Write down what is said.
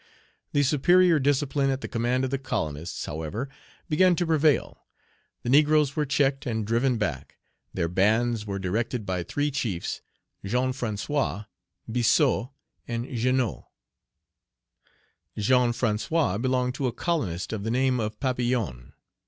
The superior discipline at the command of the colonists, however, began to prevail. The negroes were checked and driven back. Their bands were directed by three chiefs, Jean François, Biassou, and Jeannot. Jean François belonged to a colonist of the name of Papillon.